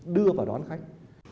đưa vào đón khách